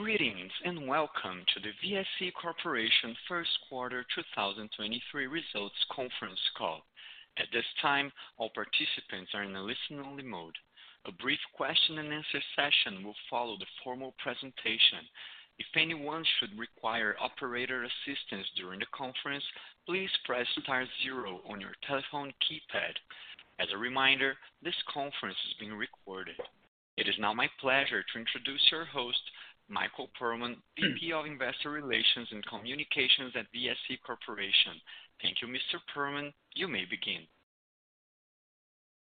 Greetings, welcome to the VSE Corporation Q1 2023 results conference call. At this time, all participants are in a listen-only mode. A brief question and answer session will follow the formal presentation. If anyone should require operator assistance during the conference, please press star zero on your telephone keypad. As a reminder, this conference is being recorded. It is now my pleasure to introduce your host, Michael Perlman, VP of Investor Relations and Communications at VSE Corporation. Thank you, Mr. Perlman. You may begin.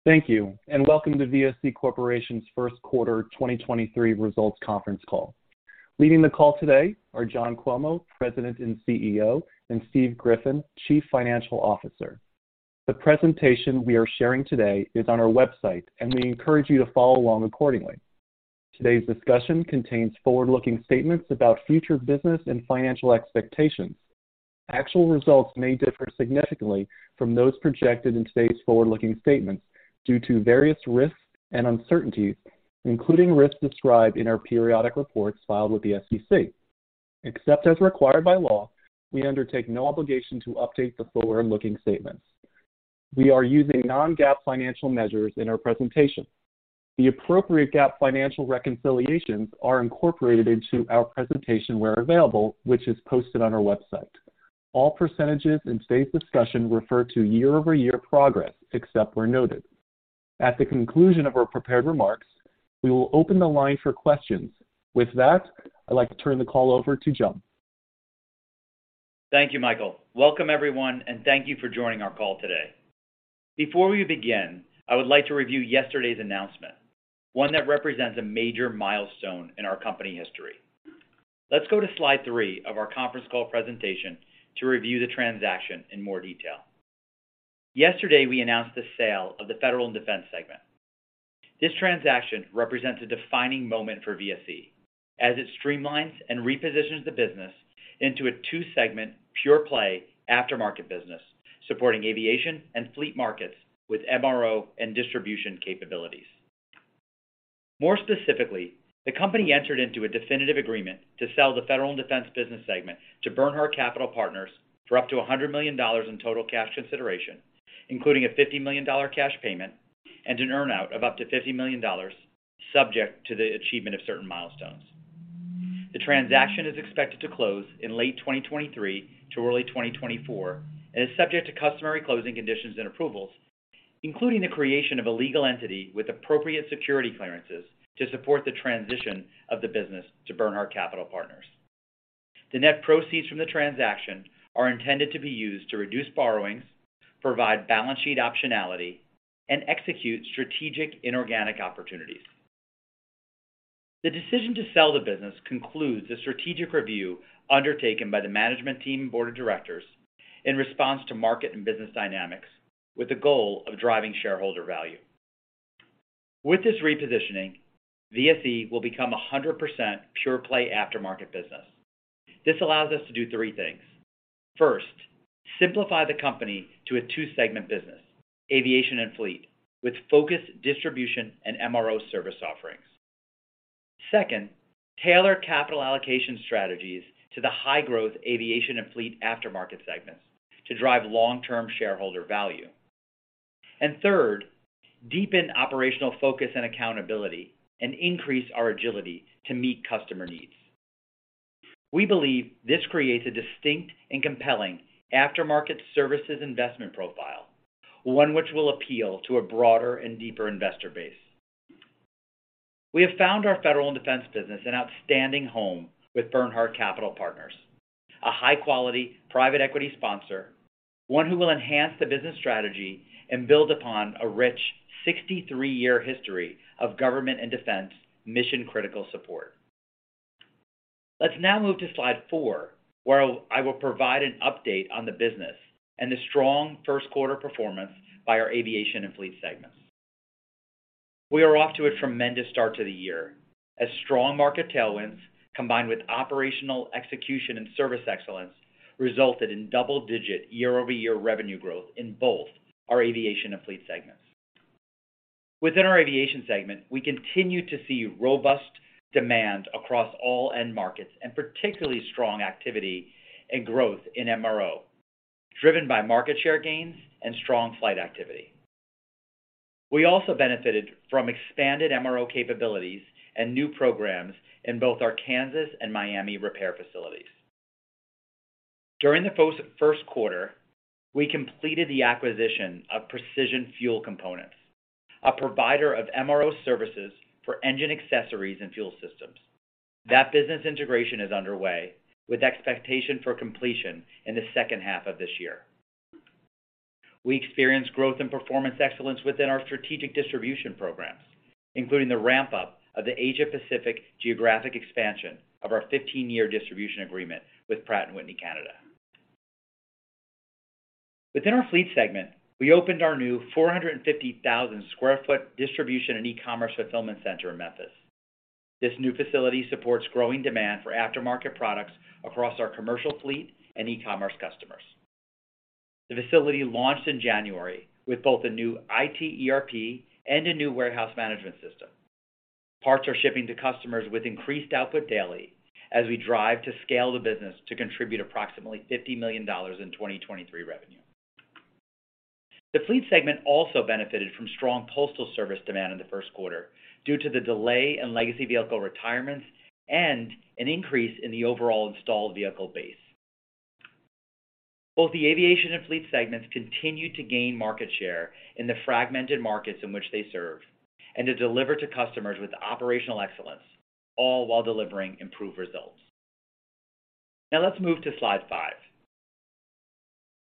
Thank you. Welcome to VSE Corporation's Q1 2023 results conference call. Leading the call today are John Cuomo, President and CEO, and Steve Griffin, Chief Financial Officer. The presentation we are sharing today is on our website. We encourage you to follow along accordingly. Today's discussion contains forward-looking statements about future business and financial expectations. Actual results may differ significantly from those projected in today's forward-looking statements due to various risks and uncertainties, including risks described in our periodic reports filed with the SEC. Except as required by law, we undertake no obligation to update the forward-looking statements. We are using non-GAAP financial measures in our presentation. The appropriate GAAP financial reconciliations are incorporated into our presentation where available, which is posted on our website. All percentages in today's discussion refer to year-over-year progress, except where noted. At the conclusion of our prepared remarks, we will open the line for questions. With that, I'd like to turn the call over to John. Thank you, Michael. Welcome, everyone, and thank you for joining our call today. Before we begin, I would like to review yesterday's announcement, one that represents a major milestone in our company history. Let's go to slide three of our conference call presentation to review the transaction in more detail. Yesterday, we announced the sale of the Federal and Defense segment. This transaction represents a defining moment for VSE as it streamlines and repositions the business into a two-segment pure-play aftermarket business supporting aviation and fleet markets with MRO and distribution capabilities. More specifically, the company entered into a definitive agreement to sell the Federal and Defense business segment to Bernhard Capital Partners for up to $100 million in total cash consideration, including a $50 million cash payment and an earn-out of up to $50 million, subject to the achievement of certain milestones. The transaction is expected to close in late 2023 to early 2024 and is subject to customary closing conditions and approvals, including the creation of a legal entity with appropriate security clearances to support the transition of the business to Bernhard Capital Partners. The net proceeds from the transaction are intended to be used to reduce borrowings, provide balance sheet optionality, and execute strategic inorganic opportunities. The decision to sell the business concludes a strategic review undertaken by the management team and board of directors in response to market and business dynamics with the goal of driving shareholder value. With this repositioning, VSE will become a 100% pure-play aftermarket business. This allows us to do three things. First, simplify the company to a two-segment business, aviation and fleet, with focused distribution and MRO service offerings. Second, tailor capital allocation strategies to the high-growth aviation and fleet aftermarket segments to drive long-term shareholder value. Third, deepen operational focus and accountability and increase our agility to meet customer needs. We believe this creates a distinct and compelling aftermarket services investment profile, one which will appeal to a broader and deeper investor base. We have found our federal and defense business an outstanding home with Bernhard Capital Partners, a high-quality private equity sponsor, one who will enhance the business strategy and build upon a rich 63-year history of government and defense mission-critical support. Let's now move to slide four, where I will provide an update on the business and the strong Q1 performance by our aviation and fleet segments. We are off to a tremendous start to the year as strong market tailwinds, combined with operational execution and service excellence, resulted in double-digit year-over-year revenue growth in both our aviation and fleet segments. Within our aviation segment, we continue to see robust demand across all end markets and particularly strong activity and growth in MRO, driven by market share gains and strong flight activity. We also benefited from expanded MRO capabilities and new programs in both our Kansas and Miami repair facilities. During the Q1, we completed the acquisition of Precision Fuel Components, a provider of MRO services for engine accessories and fuel systems. That business integration is underway with expectation for completion in the second half of this year. We experienced growth and performance excellence within our strategic distribution programs, including the ramp-up of the Asia-Pacific geographic expansion of our 15-year distribution agreement with Pratt & Whitney Canada. Within our fleet segment, we opened our new 450,000 sq ft distribution and e-commerce fulfillment center in Memphis. This new facility supports growing demand for aftermarket products across our commercial fleet and e-commerce customers. The facility launched in January with both a new IT ERP and a new warehouse management system. Parts are shipping to customers with increased output daily as we drive to scale the business to contribute approximately $50 million in 2023 revenue. The fleet segment also benefited from strong Postal Service demand in the Q1 due to the delay in legacy vehicle retirements and an increase in the overall installed vehicle base. Both the aviation and fleet segments continue to gain market share in the fragmented markets in which they serve and to deliver to customers with operational excellence, all while delivering improved results. Let's move to slide five.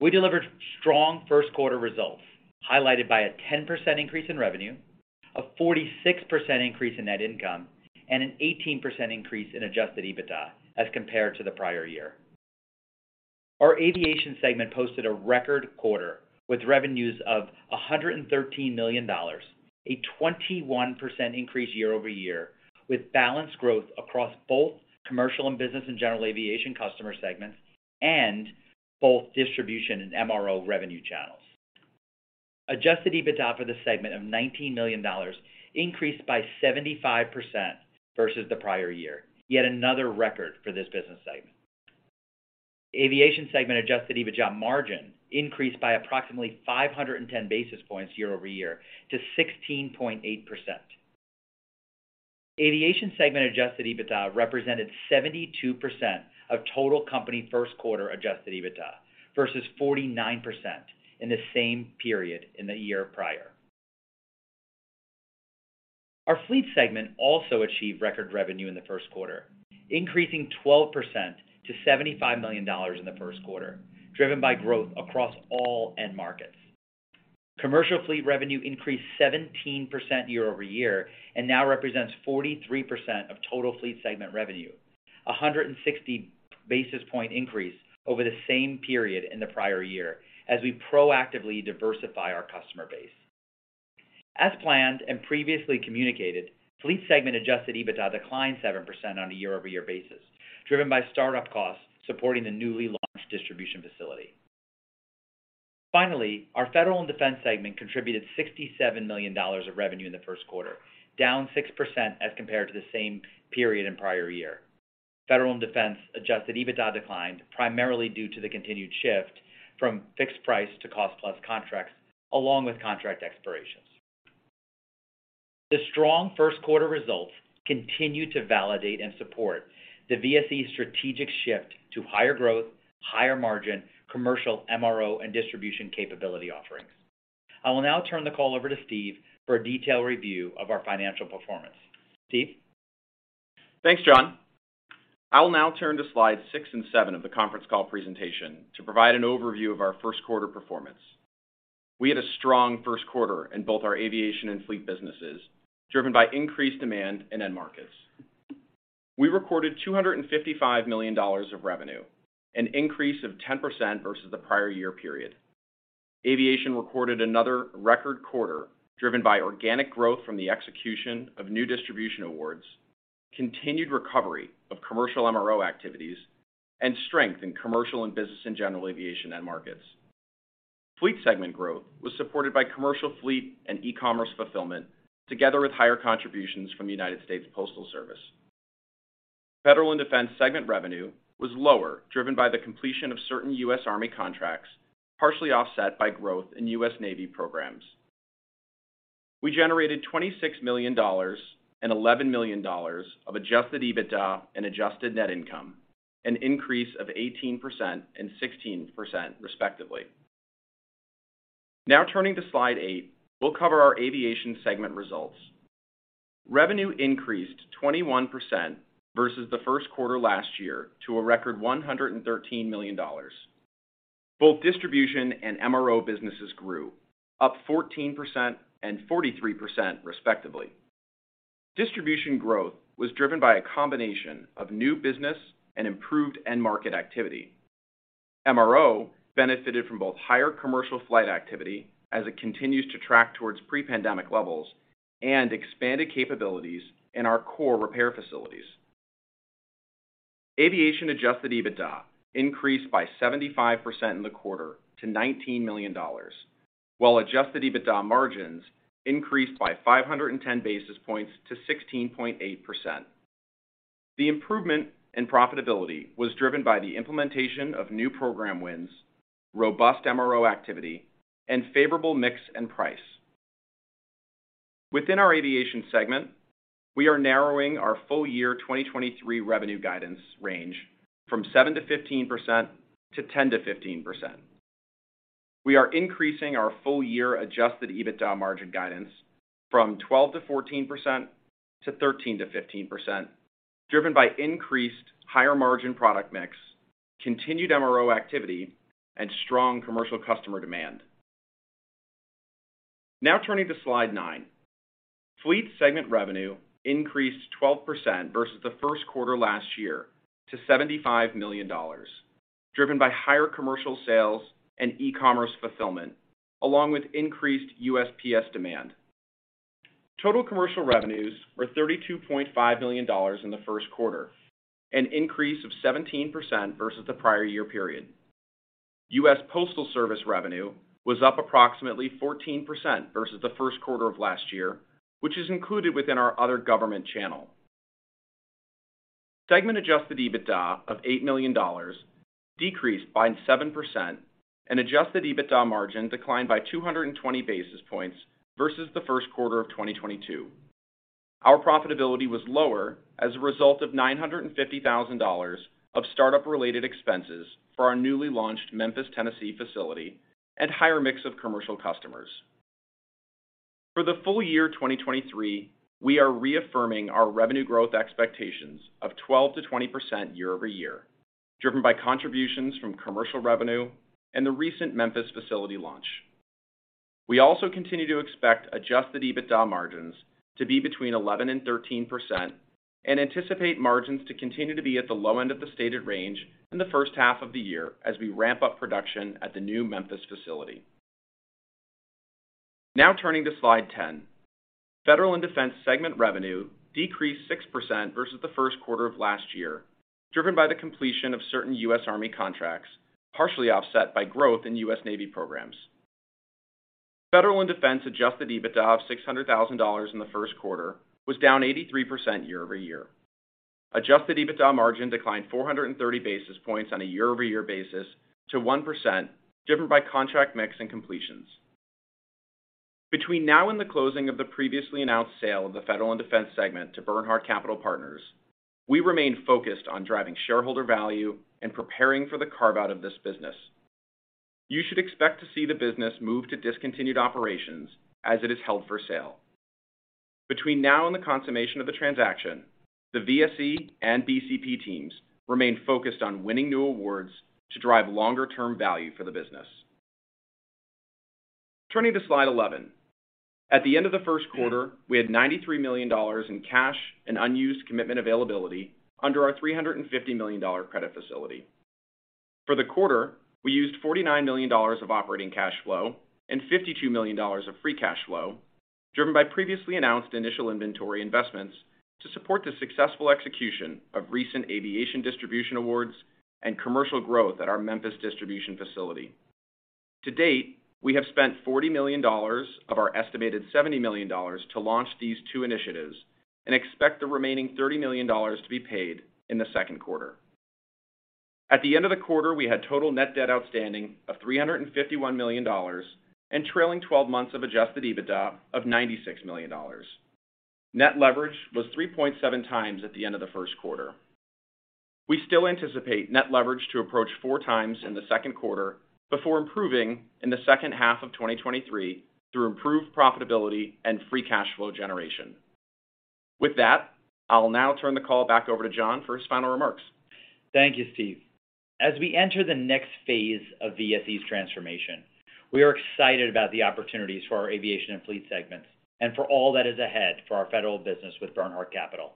We delivered strong Q1 results, highlighted by a 10% increase in revenue, a 46% increase in net income, and an 18% increase in adjusted EBITDA as compared to the prior year. Our aviation segment posted a record quarter with revenues of $113 million, a 21% increase year-over-year, with balanced growth across both commercial and business and general aviation customer segments and both distribution and MRO revenue channels. Adjusted EBITDA for the segment of $19 million increased by 75% versus the prior year, yet another record for this business segment. Aviation segment adjusted EBITDA margin increased by approximately 510 basis points year-over-year to 16.8%. Aviation segment adjusted EBITDA represented 72% of total company Q1 adjusted EBITDA versus 49% in the same period in the year prior. Our fleet segment also achieved record revenue in the Q1, increasing 12% to $75 million in the Q1, driven by growth across all end markets. Commercial fleet revenue increased 17% year-over-year and now represents 43% of total fleet segment revenue, a 160 basis point increase over the same period in the prior year as we proactively diversify our customer base. As planned and previously communicated, fleet segment adjusted EBITDA declined 7% on a year-over-year basis, driven by start-up costs supporting the newly launched distribution facility. Our Federal and Defense segment contributed $67 million of revenue in the Q1, down 6% as compared to the same period in prior year. Federal and Defense adjusted EBITDA declined primarily due to the continued shift from fixed price to cost plus contracts along with contract expirations. The strong Q1 results continue to validate and support the VSE strategic shift to higher growth, higher margin commercial MRO and distribution capability offerings. I will now turn the call over to Steve for a detailed review of our financial performance. Steve? Thanks, John. I will now turn to slides six and seven of the conference call presentation to provide an overview of our Q1 performance. We had a strong Q1 in both our aviation and fleet businesses, driven by increased demand in end markets. We recorded $255 million of revenue, an increase of 10% versus the prior year period. Aviation recorded another record quarter driven by organic growth from the execution of new distribution awards, continued recovery of commercial MRO activities, and strength in commercial and business in general aviation end markets. Fleet segment growth was supported by commercial fleet and e-commerce fulfillment, together with higher contributions from United States Postal Service. Federal and Defense segment revenue was lower, driven by the completion of certain US Army contracts, partially offset by growth in US Navy programs. We generated $26 million and $11 million of adjusted EBITDA and adjusted net income, an increase of 18% and 16% respectively. Turning to slide eight, we'll cover our aviation segment results. Revenue increased 21% versus the Q1 last year to a record $113 million. Both distribution and MRO businesses grew up 14% and 43% respectively. Distribution growth was driven by a combination of new business and improved end market activity. MRO benefited from both higher commercial flight activity as it continues to track towards pre-pandemic levels and expanded capabilities in our core repair facilities. Aviation adjusted EBITDA increased by 75% in the quarter to $19 million, while adjusted EBITDA margins increased by 510 basis points to 16.8%. The improvement in profitability was driven by the implementation of new program wins, robust MRO activity, and favorable mix and price. Within our aviation segment, we are narrowing our full year 2023 revenue guidance range from 7%-15% to 10%-15%. We are increasing our full year adjusted EBITDA margin guidance from 12%-14% to 13%-15%, driven by increased higher margin product mix, continued MRO activity, and strong commercial customer demand. Turning to slide 9. Fleet segment revenue increased 12% versus the Q1 last year to $75 million, driven by higher commercial sales and e-commerce fulfillment, along with increased USPS demand. Total commercial revenues were $32.5 million in the Q1, an increase of 17% versus the prior year period. US Postal Service revenue was up approximately 14% versus the Q1 of last year, which is included within our other government channel. Segment adjusted EBITDA of $8 million decreased by 7% and adjusted EBITDA margin declined by 220 basis points versus the Q1 of 2022. Our profitability was lower as a result of $950,000 of startup-related expenses for our newly launched Memphis, Tennessee facility and higher mix of commercial customers. For the full year 2023, we are reaffirming our revenue growth expectations of 12%-20% year-over-year, driven by contributions from commercial revenue and the recent Memphis facility launch. We also continue to expect adjusted EBITDA margins to be between 11% and 13% and anticipate margins to continue to be at the low end of the stated range in the first half of the year as we ramp up production at the new Memphis facility. Turning to slide 10. Federal and Defense segment revenue decreased 6% versus the Q1 of last year, driven by the completion of certain U.S. Army contracts, partially offset by growth in U.S. Navy programs. Federal and Defense adjusted EBITDA of $600,000 in the Q1 was down 83% year-over-year. Adjusted EBITDA margin declined 430 basis points on a year-over-year basis to 1% driven by contract mix and completions. Between now and the closing of the previously announced sale of the Federal and Defense segment to Bernhard Capital Partners, we remain focused on driving shareholder value and preparing for the carve-out of this business. You should expect to see the business move to discontinued operations as it is held for sale. Between now and the consummation of the transaction, the VSE and BCP teams remain focused on winning new awards to drive longer term value for the business. Turning to slide 11. At the end of the Q1, we had $93 million in cash and unused commitment availability under our $350 million credit facility. For the quarter, we used $49 million of operating cash flow and $52 million of free cash flow, driven by previously announced initial inventory investments to support the successful execution of recent aviation distribution awards and commercial growth at our Memphis distribution facility. To date, we have spent $40 million of our estimated $70 million to launch these two initiatives and expect the remaining $30 million to be paid in the Q2. At the end of the quarter, we had total net debt outstanding of $351 million and trailing 12 months of adjusted EBITDA of $96 million. Net leverage was 3.7 times at the end of the Q1. We still anticipate net leverage to approach 4x in the Q2 before improving in the second half of 2023 through improved profitability and free cash flow generation. I will now turn the call back over to John for his final remarks. Thank you, Steve. As we enter the next phase of VSE's transformation, we are excited about the opportunities for our aviation and fleet segments and for all that is ahead for our Federal business with Bernhard Capital.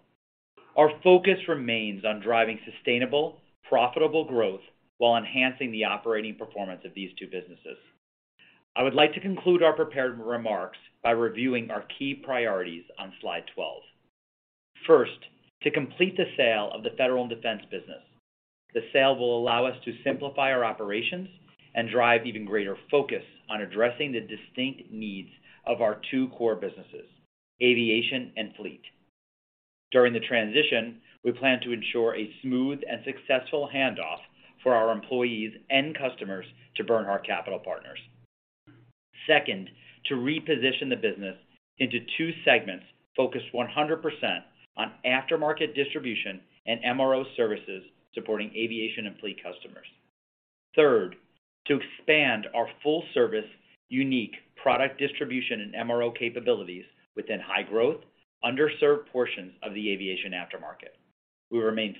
Our focus remains on driving sustainable, profitable growth while enhancing the operating performance of these two businesses. I would like to conclude our prepared remarks by reviewing our key priorities on slide 12. First, to complete the sale of the Federal and Defense business. The sale will allow us to simplify our operations and drive even greater focus on addressing the distinct needs of our two core businesses, aviation and fleet. During the transition, we plan to ensure a smooth and successful handoff for our employees and customers to Bernhard Capital Partners. Second, to reposition the business into two segments focused 100% on aftermarket distribution and MRO services supporting aviation and fleet customers. Third, to expand our full service unique product distribution and MRO capabilities within high-growth, underserved portions of the aviation aftermarket. We remain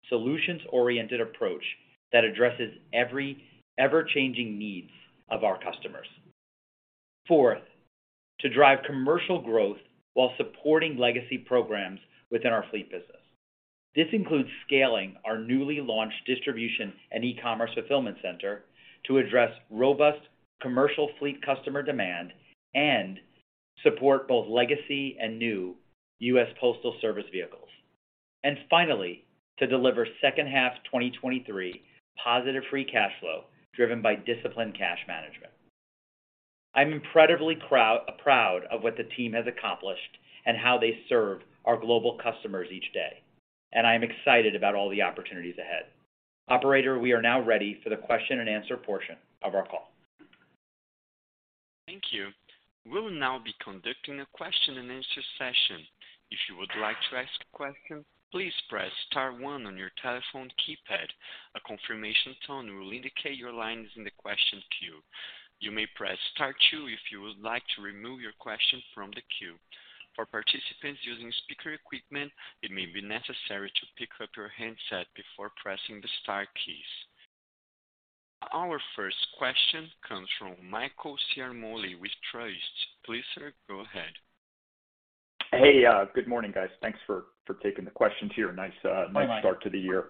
focused on offering a bespoke, solutions-oriented approach that addresses ever-changing needs of our customers. Fourth, to drive commercial growth while supporting legacy programs within our fleet business. This includes scaling our newly launched distribution and e-commerce fulfillment center to address robust commercial fleet customer demand and support both legacy and new United States Postal Service vehicles. Finally, to deliver second half 2023 positive free cash flow driven by disciplined cash management. I'm incredibly proud of what the team has accomplished and how they serve our global customers each day. I am excited about all the opportunities ahead. Operator, we are now ready for the question and answer portion of our call. Thank you. We'll now be conducting a question and answer session. If you would like to ask a question, please press * 1 on your telephone keypad. A confirmation tone will indicate your line is in the question queue. You may press * 2 if you would like to remove your question from the queue. For participants using speaker equipment, it may be necessary to pick up your handset before pressing the * keys. Our first question comes from Michael Ciarmoli with Truist Securities. Please, sir, go ahead. Hey, good morning, guys. Thanks for taking the questions here. Nice, nice start to the year.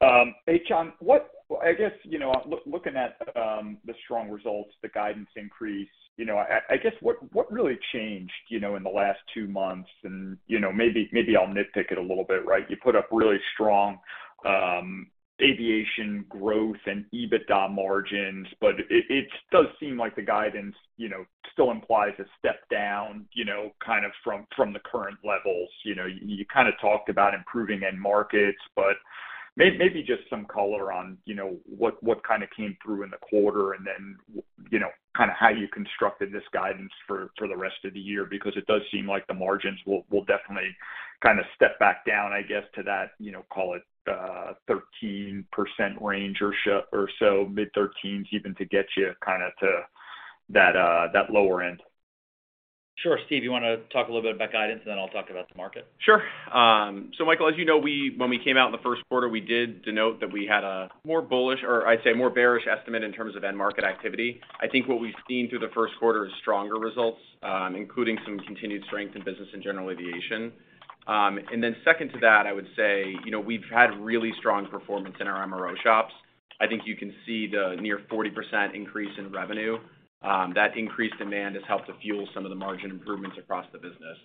Hey, John, I guess, you know, looking at, the strong results, the guidance increase, you know, I guess, what really changed, you know, in the last two months? You know, maybe I'll nitpick it a little bit, right? You put up really strong, aviation growth and EBITDA margins, but it does seem like the guidance, you know, still implies a step down, you know, kind of from the current levels. You know, you kinda talked about improving end markets, but maybe just some color on, you know, what kinda came through in the quarter and then, you know, kinda how you constructed this guidance for the rest of the year, because it does seem like the margins will definitely kinda step back down, I guess, to that, you know, call it, 13% range or so, mid-13s even to get you kinda to that lower end. Sure. Steve, you wanna talk a little bit about guidance, and then I'll talk about the market? Michael, as you know, when we came out in the Q1, we did denote that we had a more bullish, or I'd say more bearish estimate in terms of end market activity. I think what we've seen through the Q1 is stronger results, including some continued strength in business and general aviation. Then second to that, I would say, you know, we've had really strong performance in our MRO shops. I think you can see the near 40% increase in revenue. That increased demand has helped to fuel some of the margin improvements across the business.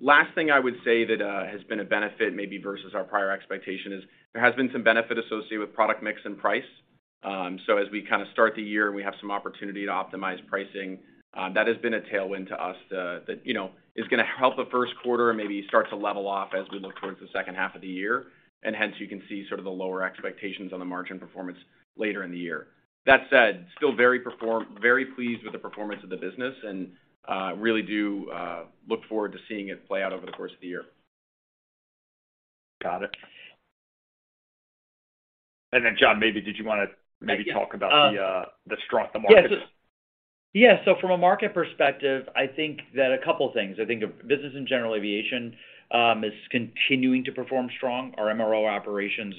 Last thing I would say that has been a benefit maybe versus our prior expectation is there has been some benefit associated with product mix and price. As we kind of start the year and we have some opportunity to optimize pricing, that has been a tailwind to us, that, you know, is gonna help the Q1 and maybe start to level off as we look towards the second half of the year. Hence, you can see sort of the lower expectations on the margin performance later in the year. That said, still very pleased with the performance of the business and, really do, look forward to seeing it play out over the course of the year. Got it. John, maybe did you wanna maybe talk about the markets? Yeah. From a market perspective, I think that a couple of things. I think business and general aviation is continuing to perform strong. Our MRO operations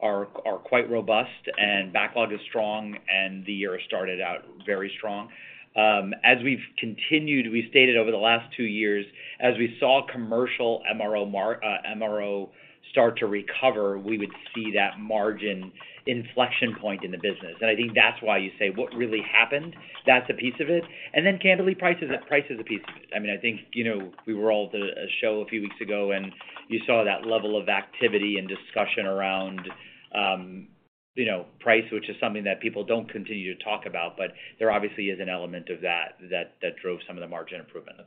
are quite robust and backlog is strong, and the year started out very strong. As we've continued, we've stated over the last two years, as we saw commercial MRO start to recover, we would see that margin inflection point in the business. I think that's why you say what really happened. That's a piece of it. Then candidly, price is a piece of it. I mean, I think, you know, we were all at a show a few weeks ago, and you saw that level of activity and discussion around, you know, price, which is something that people don't continue to talk about. There obviously is an element of that drove some of the margin improvement in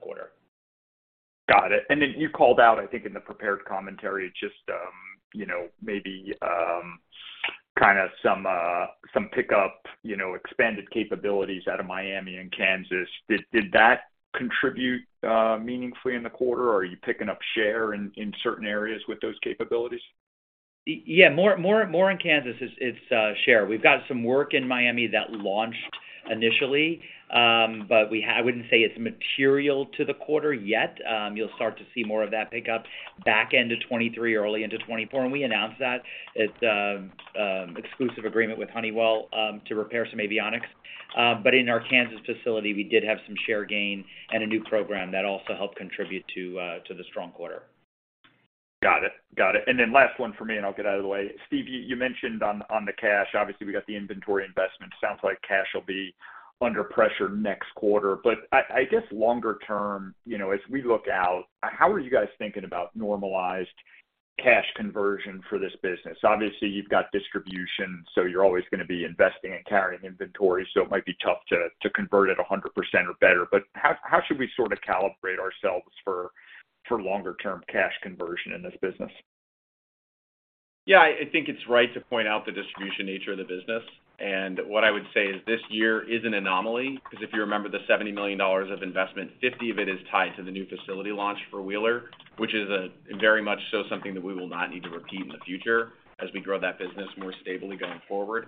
the quarter. Got it. You called out, I think, in the prepared commentary, just, you know, maybe, kinda some pickup, you know, expanded capabilities out of Miami and Kansas. Did that contribute meaningfully in the quarter, or are you picking up share in certain areas with those capabilities? Yeah, more in Kansas, it's share. We've got some work in Miami that launched initially, but I wouldn't say it's material to the quarter yet. You'll start to see more of that pick up back end of 2023, early into 2024. We announced that. It's exclusive agreement with Honeywell to repair some avionics. In our Kansas facility, we did have some share gain and a new program that also helped contribute to the strong quarter. Got it. Last one for me, and I'll get out of the way. Steve, you mentioned on the cash, obviously, we got the inventory investment. Sounds like cash will be under pressure next quarter. I guess longer term, you know, as we look out, how are you guys thinking about normalized cash conversion for this business? Obviously, you've got distribution, so you're always gonna be investing and carrying inventory, so it might be tough to convert it 100% or better. How should we sort of calibrate ourselves for longer term cash conversion in this business? Yeah. I think it's right to point out the distribution nature of the business. What I would say is this year is an anomaly, 'cause if you remember the $70 million of investment, 50 of it is tied to the new facility launch for Wheeler, which is a very much so something that we will not need to repeat in the future as we grow that business more stably going forward.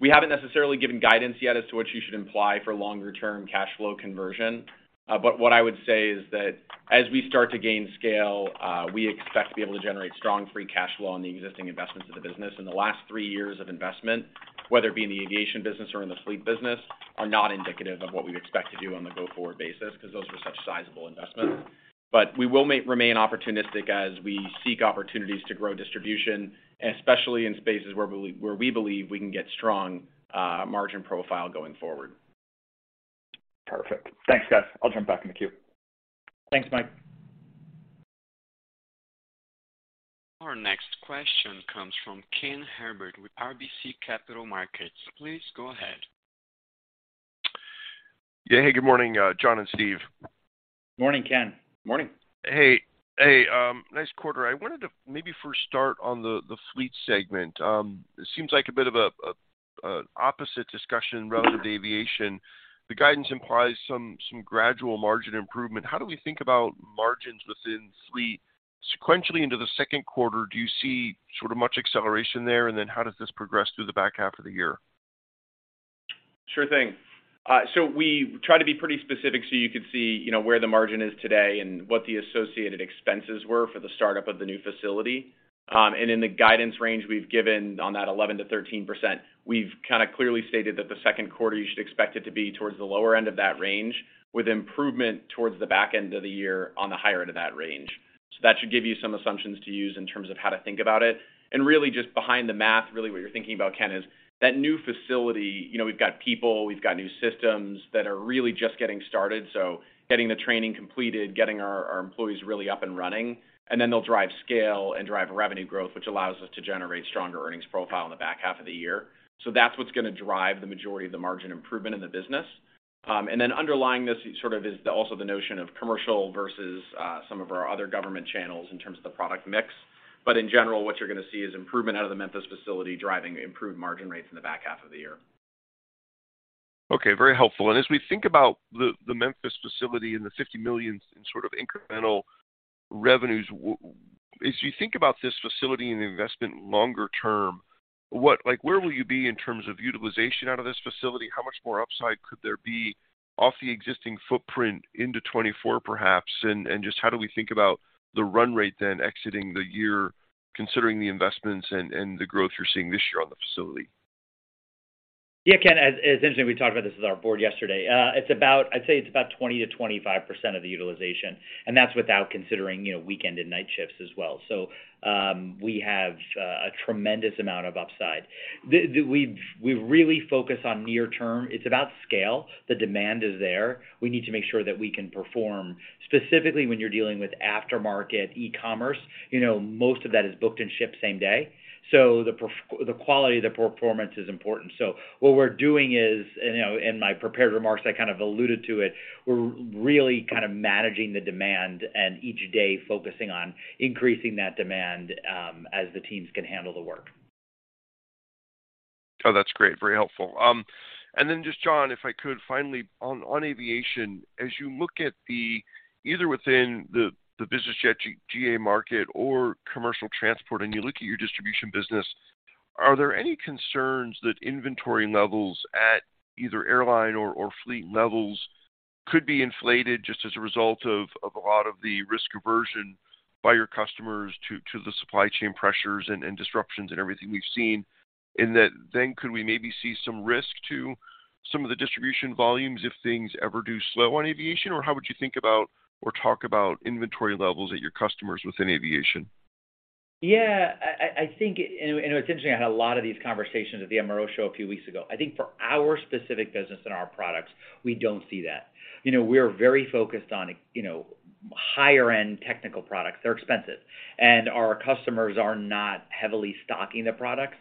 We haven't necessarily given guidance yet as to what you should imply for longer term cash flow conversion. What I would say is that as we start to gain scale, we expect to be able to generate strong free cash flow on the existing investments of the business. In the last three years of investment, whether it be in the aviation business or in the fleet business, are not indicative of what we expect to do on the go-forward basis 'cause those were such sizable investments. We will remain opportunistic as we seek opportunities to grow distribution, and especially in spaces where we, where we believe we can get strong margin profile going forward. Perfect. Thanks, guys. I'll jump back in the queue. Thanks, Mike. Our next question comes from Ken Herbert with RBC Capital Markets. Please go ahead. Yeah. Hey, good morning, John and Steve. Morning, Ken. Morning. Hey, nice quarter. I wanted to maybe first start on the fleet segment. It seems like a bit of a opposite discussion relative to aviation. The guidance implies some gradual margin improvement. How do we think about margins within fleet sequentially into the Q2? Do you see sort of much acceleration there? How does this progress through the back half of the year? Sure thing. We try to be pretty specific so you could see, you know, where the margin is today and what the associated expenses were for the startup of the new facility. In the guidance range we've given on that 11%-13%, we've kind of clearly stated that the Q2 you should expect it to be towards the lower end of that range with improvement towards the back end of the year on the higher end of that range. That should give you some assumptions to use in terms of how to think about it. Really just behind the math, really what you're thinking about, Ken, is that new facility, you know, we've got people, we've got new systems that are really just getting started. Getting the training completed, getting our employees really up and running, and then they'll drive scale and drive revenue growth, which allows us to generate stronger earnings profile in the back half of the year. That's what's gonna drive the majority of the margin improvement in the business. Underlying this sort of is the, also the notion of commercial versus some of our other government channels in terms of the product mix. In general, what you're gonna see is improvement out of the Memphis facility driving improved margin rates in the back half of the year. Okay, very helpful. As we think about the Memphis facility and the $50 million in sort of incremental revenues, as you think about this facility and the investment longer term, what. Like, where will you be in terms of utilization out of this facility? How much more upside could there be off the existing footprint into 2024 perhaps? Just how do we think about the run rate then exiting the year, considering the investments and the growth you're seeing this year on the facility? Yeah, Ken, as mentioned, we talked about this with our board yesterday. I'd say it's about 20%-25% of the utilization, and that's without considering, you know, weekend and night shifts as well. We have a tremendous amount of upside. We've really focused on near term. It's about scale. The demand is there. We need to make sure that we can perform. Specifically when you're dealing with aftermarket e-commerce, you know, most of that is booked and shipped same day, the quality of the performance is important. What we're doing is, you know, in my prepared remarks, I kind of alluded to it, we're really kind of managing the demand and each day focusing on increasing that demand as the teams can handle the work. Oh, that's great. Very helpful. Just John, if I could finally on aviation, as you look at the either within the business jet GA market or commercial transport, and you look at your distribution business, are there any concerns that inventory levels at either airline or fleet levels could be inflated just as a result of a lot of the risk aversion by your customers to the supply chain pressures and disruptions and everything we've seen? Could we maybe see some risk to some of the distribution volumes if things ever do slow on aviation? How would you think about or talk about inventory levels at your customers within aviation? Yeah. I think, it's interesting, I had a lot of these conversations at the MRO Americas a few weeks ago. I think for our specific business and our products, we don't see that. You know, we're very focused on, you know, higher-end technical products. They're expensive, and our customers are not heavily stocking the products.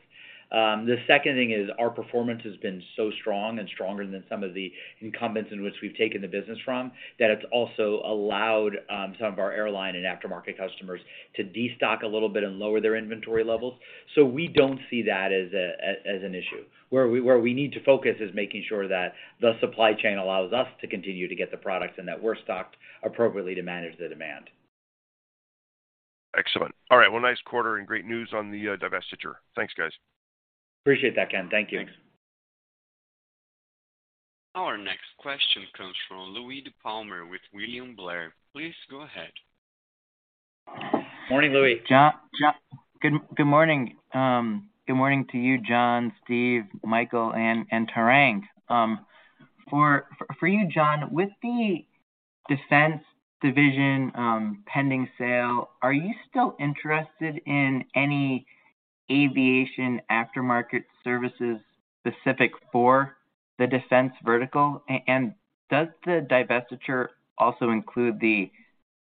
The second thing is our performance has been so strong and stronger than some of the incumbents in which we've taken the business from, that it's also allowed, some of our airline and aftermarket customers to destock a little bit and lower their inventory levels. We don't see that as an issue. Where we need to focus is making sure that the supply chain allows us to continue to get the products and that we're stocked appropriately to manage the demand. Excellent. All right. Well, nice quarter and great news on the divestiture. Thanks, guys. Appreciate that, Ken. Thank you. Thanks. Our next question comes from Louie DiPalma with William Blair. Please go ahead. Morning, Louie. John. Good morning. Good morning to you, John, Steve, Michael, and Tarang. For you, John, with the defense division, pending sale, are you still interested in any aviation aftermarket services specific for the defense vertical? Does the divestiture also include the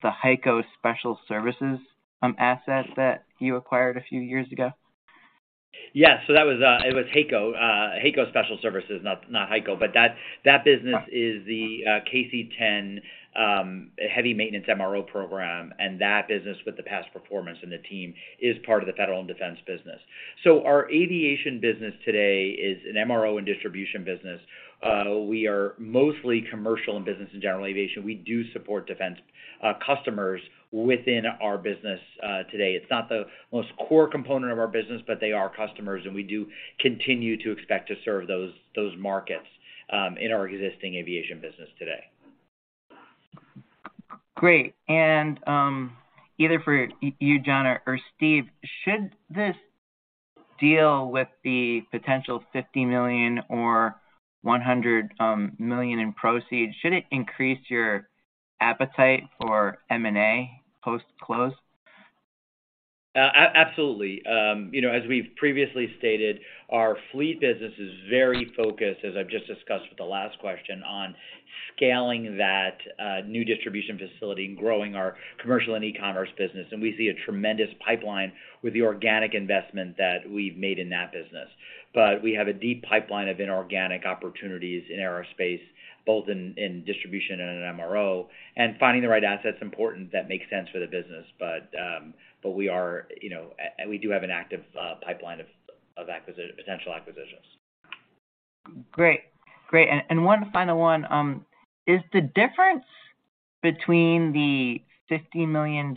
HEICO Special Services asset that you acquired a few years ago? Yeah. That was, it was HEICO Special Services, not HEICO, but that business is the KC-10 heavy maintenance MRO program, and that business with the past performance and the team is part of the Federal and Defense business. Our Aviation business today is an MRO and distribution business. We are mostly commercial and business and general aviation. We do support defense customers within our business today. It's not the most core component of our business, but they are customers, and we do continue to expect to serve those markets in our existing Aviation business today. Great. Either for you, John or Steve, should this deal with the potential $50 million or $100 million in proceeds, should it increase your appetite for M&A post-close? Absolutely. you know, as we've previously stated, our fleet business is very focused, as I've just discussed with the last question, on scaling that new distribution facility and growing our commercial and e-commerce business. We see a tremendous pipeline with the organic investment that we've made in that business. We have a deep pipeline of inorganic opportunities in aerospace, both in distribution and in MRO, and finding the right asset's important that makes sense for the business. We are, you know. We do have an active pipeline of potential acquisitions. Great. Great. One final one. Is the difference between the $50 million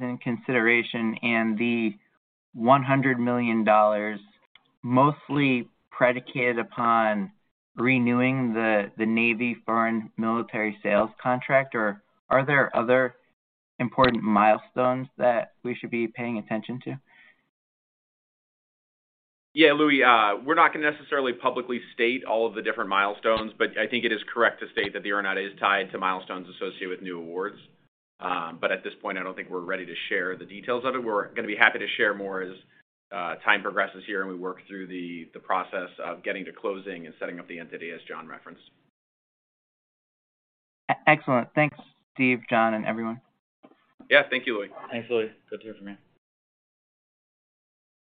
in consideration and the $100 million. Mostly predicated upon renewing the Navy foreign military sales contract, or are there other important milestones that we should be paying attention to? Louie, we're not gonna necessarily publicly state all of the different milestones, but I think it is correct to state that the earn-out is tied to milestones associated with new awards. At this point, I don't think we're ready to share the details of it. We're gonna be happy to share more as time progresses here and we work through the process of getting to closing and setting up the entity as John referenced. Excellent. Thanks, Steve, John, and everyone. Yeah. Thank you, Louie. Thanks, Louie. Good to hear from you.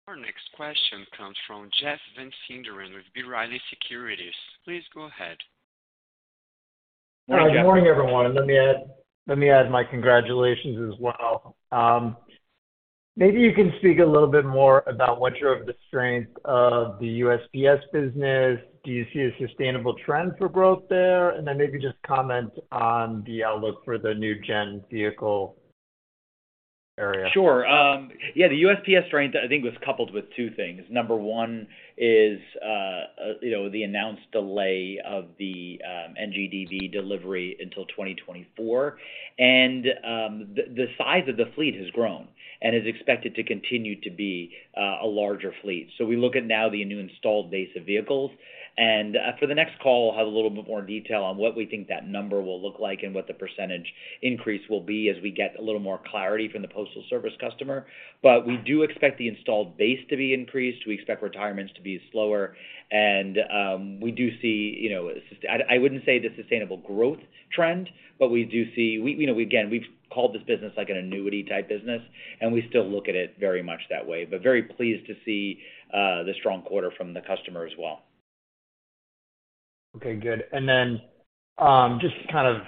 Our next question comes from Jeff Van Sinderen with B. Riley Securities. Please go ahead. Good morning, everyone. Let me add my congratulations as well. Maybe you can speak a little bit more about what the strength of the USPS business. Do you see a sustainable trend for growth there? Maybe just comment on the outlook for the new gen vehicle area. Sure. Yeah, the USPS strength I think was coupled with two things. Number one is, you know, the announced delay of the NGDB delivery until 2024. The size of the fleet has grown and is expected to continue to be a larger fleet. We look at now the new installed base of vehicles, and for the next call, we'll have a little bit more detail on what we think that number will look like and what the percentage increase will be as we get a little more clarity from the Postal Service customer. We do expect the installed base to be increased. We expect retirements to be slower, and we do see, you know, I wouldn't say the sustainable growth trend, but we do see... We, you know, again, we've called this business like an annuity type business, and we still look at it very much that way. Very pleased to see, the strong quarter from the customer as well. Okay, good. Just kind of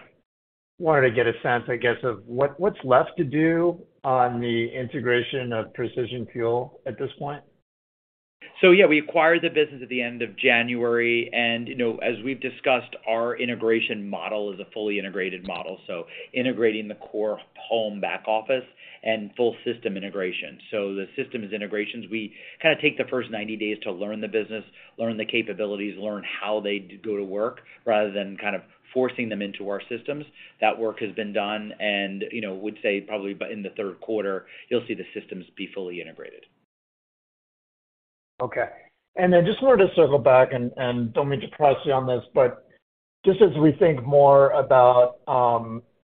wanted to get a sense, I guess, of what's left to do on the integration of Precision Fuel at this point. Yeah, we acquired the business at the end of January, and, you know, as we've discussed, our integration model is a fully integrated model, so integrating the core home back office and full system integration. The systems integrations, we kinda take the first 90 days to learn the business, learn the capabilities, learn how they go to work rather than kind of forcing them into our systems. That work has been done and, you know, would say probably by in the Q3, you'll see the systems be fully integrated. Okay. I just wanted to circle back, and don't mean to press you on this, but just as we think more about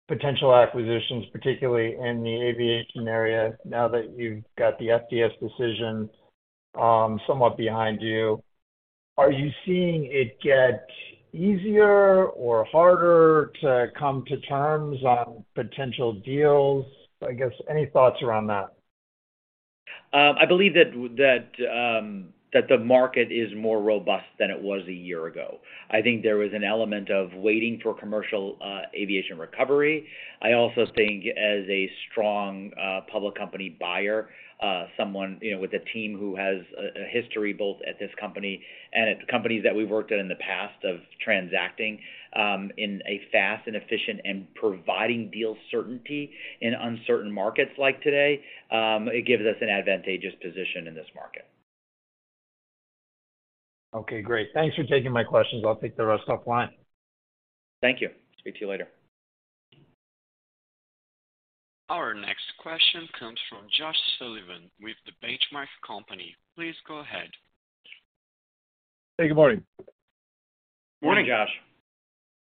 potential acquisitions, particularly in the aviation area, now that you've got the FDS decision somewhat behind you, are you seeing it get easier or harder to come to terms on potential deals? I guess any thoughts around that? I believe that the market is more robust than it was a year ago. I think there was an element of waiting for commercial aviation recovery. I also think as a strong public company buyer, someone, you know, with a team who has a history both at this company and at companies that we've worked at in the past of transacting in a fast and efficient and providing deal certainty in uncertain markets like today, it gives us an advantageous position in this market. Okay, great. Thanks for taking my questions. I'll take the rest offline. Thank you. Speak to you later. Our next question comes from Josh Sullivan with The Benchmark Company. Please go ahead. Hey, good morning. Morning, Josh.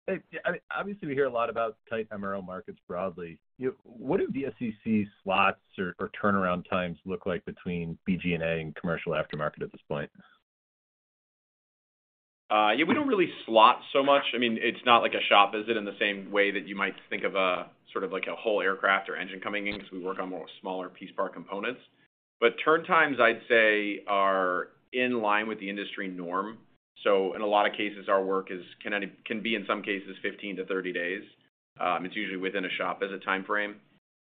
Hey, yeah, I mean, obviously we hear a lot about tight MRO markets broadly. What do VSE's slots or turnaround times look like between BG&A and commercial aftermarket at this point? Yeah, we don't really slot so much. I mean, it's not like a shop visit in the same way that you might think of a sort of like a whole aircraft or engine coming in, 'cause we work on more smaller piece part components. Turn times I'd say are in line with the industry norm. In a lot of cases, our work can be in some cases 15 to 30 days. It's usually within a shop as a timeframe.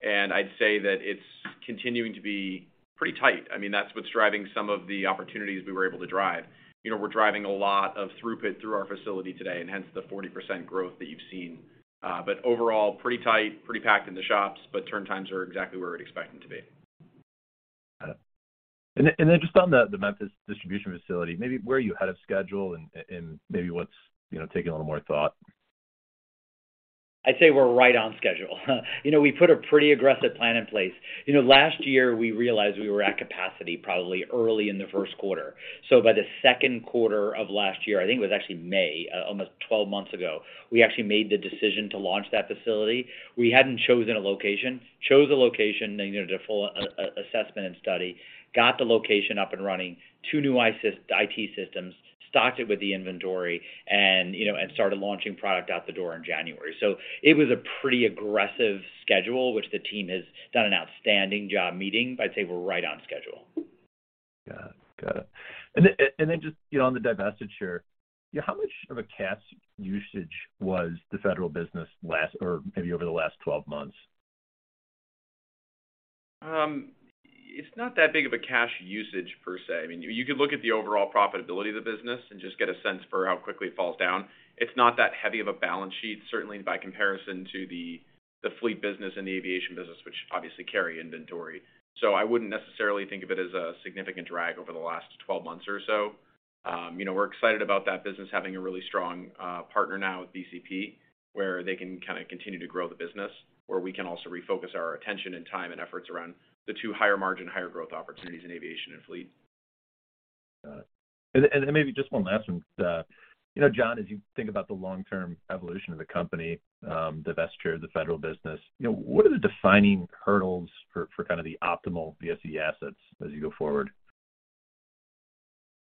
I'd say that it's continuing to be pretty tight. I mean, that's what's driving some of the opportunities we were able to drive. You know, we're driving a lot of throughput through our facility today, and hence the 40% growth that you've seen. Overall, pretty tight, pretty packed in the shops, but turn times are exactly where we'd expect them to be. Got it. Then just on the Memphis distribution facility, maybe where are you ahead of schedule and maybe what's, you know, taking a little more thought? I'd say we're right on schedule. You know, we put a pretty aggressive plan in place. You know, last year, we realized we were at capacity probably early in the Q1. By the Q2 of last year, I think it was actually May, almost 12 months ago, we actually made the decision to launch that facility. We hadn't chosen a location. Chose a location, then did a full assessment and study, got the location up and running, two new IT systems, stocked it with the inventory and, you know, and started launching product out the door in January. It was a pretty aggressive schedule, which the team has done an outstanding job meeting, but I'd say we're right on schedule. Got it. Just, you know, on the divestiture, how much of a cash usage was the federal business last or maybe over the last 12 months? It's not that big of a cash usage per se. I mean, you could look at the overall profitability of the business and just get a sense for how quickly it falls down. It's not that heavy of a balance sheet, certainly by comparison to the Fleet business and the Aviation business, which obviously carry inventory. I wouldn't necessarily think of it as a significant drag over the last 12 months or so. You know, we're excited about that business having a really strong partner now with BCP, where they can kind of continue to grow the business, where we can also refocus our attention and time and efforts around the two higher margin, higher growth opportunities in aviation and fleet. Got it. Then maybe just one last one. You know, John, as you think about the long-term evolution of the company, the divestiture of the federal business, you know, what are the defining hurdles for kind of the optimal VSE assets as you go forward?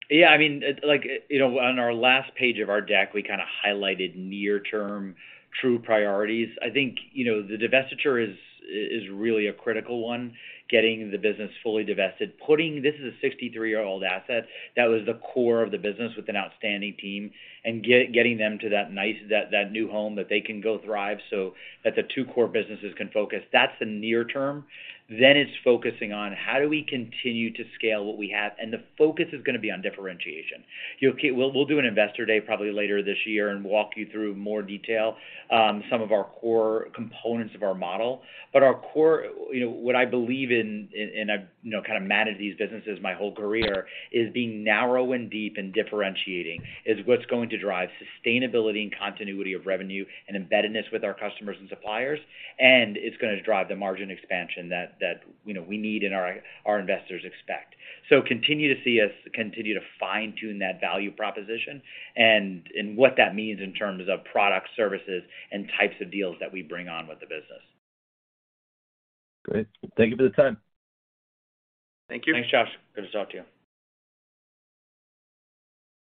Yeah, I mean, like, you know, on our last page of our deck, we kinda highlighted near-term true priorities. I think, you know, the divestiture is really a critical one, getting the business fully divested. Putting. This is a 63-year-old asset that was the core of the business with an outstanding team, and getting them to that new home that they can go thrive so that the two core businesses can focus. That's the near term. It's focusing on how do we continue to scale what we have, and the focus is gonna be on differentiation. You know, okay, we'll do an investor day probably later this year, and walk you through more detail on some of our core components of our model. Our core, you know, what I believe in, and I've, you know, kind of managed these businesses my whole career, is being narrow and deep and differentiating is what's going to drive sustainability and continuity of revenue and embeddedness with our customers and suppliers, and it's gonna drive the margin expansion that, you know, we need and our investors expect. Continue to see us continue to fine-tune that value proposition and what that means in terms of products, services, and types of deals that we bring on with the business. Great. Thank you for the time. Thank you. Thanks, Josh. Good to talk to you.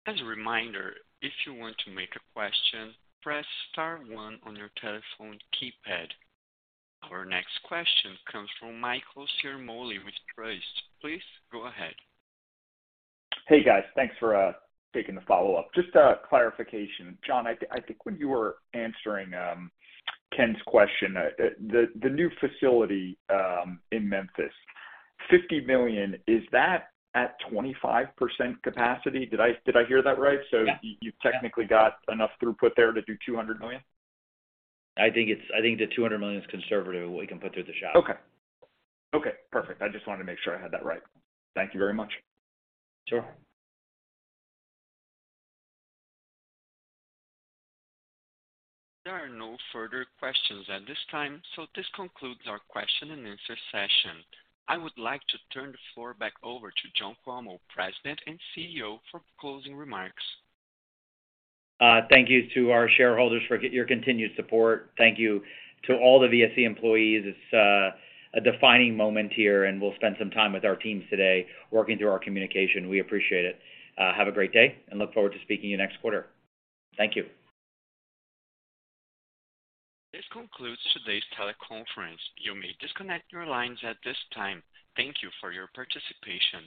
As a reminder, if you want to make a question, press * 1 on your telephone keypad. Our next question comes from Michael Ciarmoli with Truist Securities. Please go ahead. Hey, guys. Thanks for taking the follow-up. Just a clarification. John, I think when you were answering Ken's question, the new facility in Memphis, $50 million, is that at 25% capacity? Did I hear that right? Yeah. You, you've technically got enough throughput there to do $200 million? I think the $200 million is conservative what we can put through the shop. Okay, perfect. I just wanted to make sure I had that right. Thank you very much. Sure. There are no further questions at this time. This concludes our question and answer session. I would like to turn the floor back over to John Cuomo, President and CEO, for closing remarks. Thank you to our shareholders for your continued support. Thank you to all the VSE employees. It's a defining moment here, and we'll spend some time with our teams today working through our communication. We appreciate it. Have a great day, and look forward to speaking to you next quarter. Thank you. This concludes today's teleconference. You may disconnect your lines at this time. Thank you for your participation.